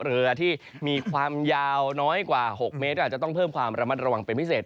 เรือที่มีความยาวน้อยกว่า๖เมตรก็อาจจะต้องเพิ่มความระมัดระวังเป็นพิเศษ